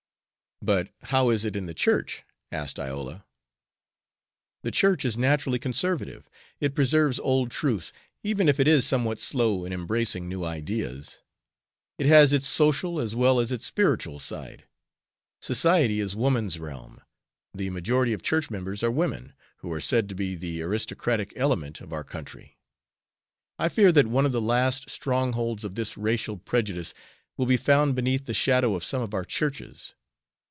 "But how is it in the Church?" asked Iola. "The Church is naturally conservative. It preserves old truths, even if it is somewhat slow in embracing new ideas. It has its social as well as its spiritual side. Society is woman's realm. The majority of church members are women, who are said to be the aristocratic element of our country. I fear that one of the last strongholds of this racial prejudice will be found beneath the shadow of some of our churches.